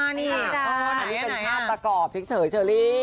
อันนี้เป็นภาพประกอบเฉยเชอรี่